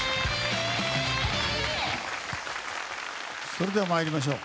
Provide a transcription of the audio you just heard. それでは参りましょう。